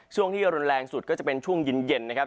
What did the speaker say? ช่วงที่รุนแรงสุดก็จะเป็นช่วงเย็นนะครับ